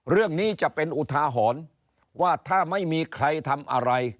เรื่องนี้จะเป็นอุทาหรณ์ว่าถ้าไม่มีใครทำอะไร